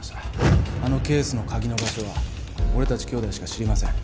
あのケースの鍵の場所は俺たち兄弟しか知りません。